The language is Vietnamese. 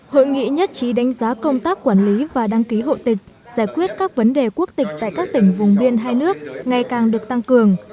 hội nghị nhất trí đánh giá công tác quản lý và đăng ký hộ tịch giải quyết các vấn đề quốc tịch tại các tỉnh vùng biên hai nước ngày càng được tăng cường